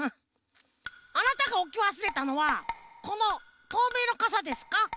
あなたがおきわすれたのはこのとうめいのかさですか？